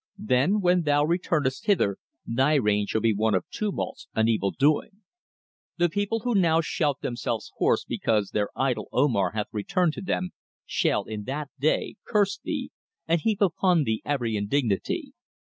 Then, when thou returnest hither, thy reign shall be one of tumults and evil doing. The people who now shout themselves hoarse because their idol Omar hath returned to them, shall, in that day, curse thee, and heap upon thee every indignity.